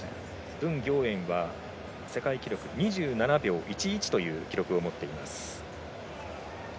文暁燕は世界記録２７秒１１という記録を持っています。